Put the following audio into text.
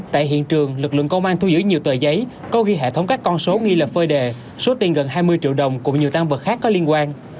tại hiện trường lực lượng công an thu giữ nhiều tờ giấy có ghi hệ thống các con số nghi lập phơi đề số tiền gần hai mươi triệu đồng cùng nhiều tăng vật khác có liên quan